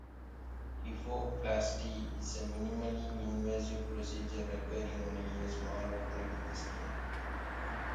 Kyphoplasty is a minimally invasive procedure, requiring only a small opening in the skin.